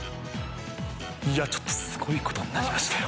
いや、ちょっとすごいことになりましたよ。